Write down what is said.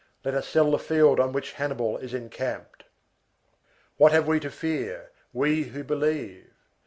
Let us sell the field on which Hannibal is encamped. What have we to fear, we who believe?